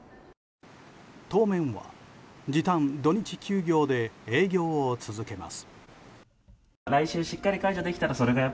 当面は時短土日休業で営業を続けます。